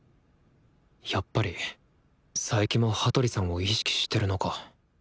やっぱり佐伯も羽鳥さんを意識してるのか。